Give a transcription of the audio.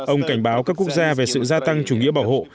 ông cảnh báo các quốc gia về sự gia tăng chủ nghĩa bảo hộ